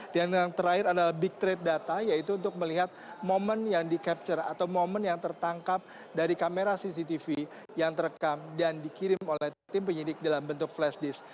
dan yang terakhir adalah big trade data yaitu untuk melihat momen yang di capture atau momen yang tertangkap dari kamera cctv yang terekam dan dikirim oleh tim penyidik dalam bentuk flash disk